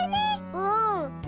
うん。